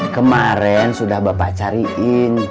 kemaren sudah bapak cariin